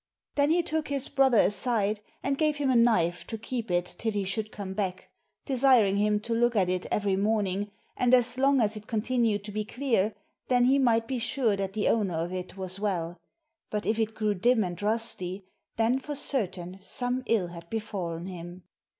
Then he took his brother aside, and gave him a knife to keep till he should come back, de siring him to look at it every morning, and as long as it con tinued to be clear, then he might be sure that the owner of it was well ; but if it grew dim and rusty, then for certain some ill had befallen him.